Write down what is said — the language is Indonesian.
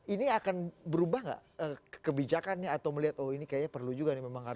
ini akan berubah nggak kebijakannya atau melihat oh ini kayaknya perlu juga nih memang harus